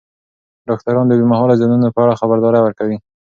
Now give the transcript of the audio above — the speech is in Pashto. ډاکټران د اوږدمهاله زیانونو په اړه خبرداری ورکوي.